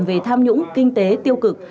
về tham nhũng kinh tế tiêu cực